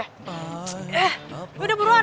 eh lu udah buruan